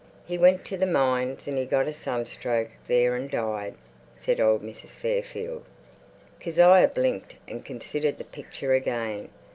"He went to the mines, and he got a sunstroke there and died," said old Mrs. Fairfield. Kezia blinked and considered the picture again....